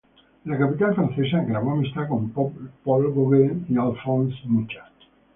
En la capital francesa trabó amistad con Paul Gauguin y Alfons Mucha.